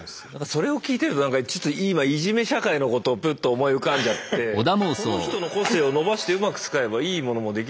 それを聞いてるとなんかちょっと今いじめ社会のことをぷっと思い浮かんじゃってこの人の個性を伸ばしてうまく使えばいいものもできるんじゃないかとか。